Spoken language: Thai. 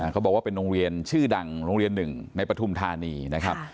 เขาบอกว่าเป็นโรงเรียนชื่อดังโรงเรียนหนึ่งในปฐุมธานีนะครับ